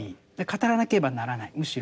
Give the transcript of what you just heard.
語らなければならないむしろ。